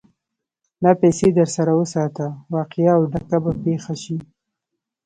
دا پيسې در سره وساته؛ واقعه او ډکه به پېښه شي.